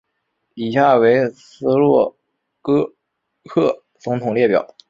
以下为斯洛伐克总统列表。